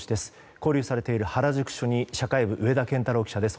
勾留されている原宿署に社会部、上田健太郎記者です。